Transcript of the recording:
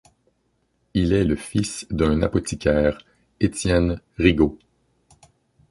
Il est le fils d'un apothicaire, Étienne Rigaud.